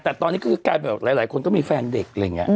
แต่ตอนนี้ก็แบบหลายคนก็มีแฟนเด็ก